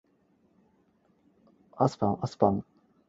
仲要踩多一腳咁過癮呀嗎